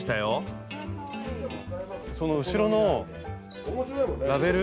その後ろのラベル？